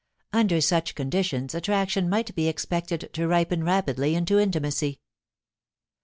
Under such conditions attraction might be expected to ripen rapidly into intimacy.